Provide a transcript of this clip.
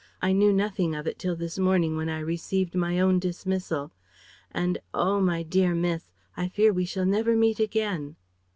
I knew nothing of it till this morning when I received my own dismissal And oh my dear Miss, I fear we shall never meet again."